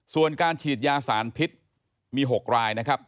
ส่วนการฉีดยาสารพิษมี๖รายนะครับ